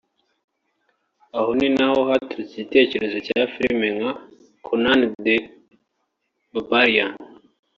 Aho ni naho haturutse igitekerezo cya film nka Conan the Barbarian